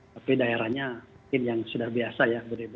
tapi daerahnya yang sudah biasa ya berdiri